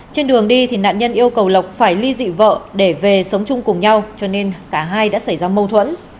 trên đường đi thì nạn nhân yêu cầu lộc phải ly dị vợ để về sống chung cùng nhau cho nên cả hai đã xảy ra mâu thuẫn